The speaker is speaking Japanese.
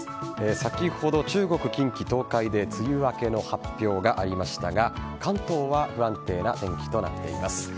先ほど、中国、近畿、東海で梅雨明けの発表がありましたが関東は不安定な天気となっています。